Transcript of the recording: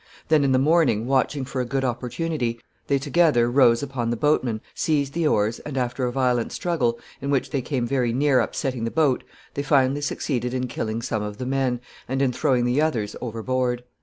Then, in the morning, watching for a good opportunity, they together rose upon the boatmen, seized the oars, and, after a violent struggle, in which they came very near upsetting the boat, they finally succeeded in killing some of the men, and in throwing the others overboard.